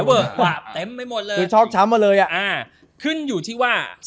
เวิร์คกวาบเต็มไม่หมดเลยชอบช้ำมาเลยอ่ะขึ้นอยู่ที่ว่า๑๐